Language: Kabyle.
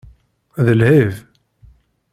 D lɛib.